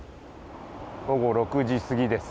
午後６時過ぎです。